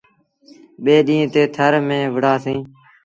ٻي ڏيٚݩهݩ تي ٿر ميݩ وُهڙآ سيٚݩ۔